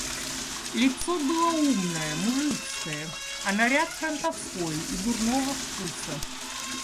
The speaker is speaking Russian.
Лицо было умное, мужицкое, а наряд франтовской и дурного вкуса.